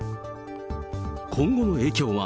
今後の影響は。